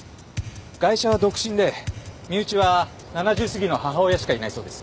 ガイシャは独身で身内は７０過ぎの母親しかいないそうです。